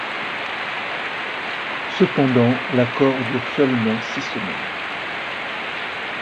Cependant l'accord dure seulement six semaines.